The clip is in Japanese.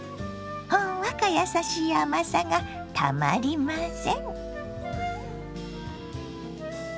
ほんわかやさしい甘さがたまりません。